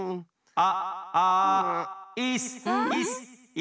あ。